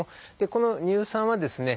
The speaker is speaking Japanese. この乳酸はですね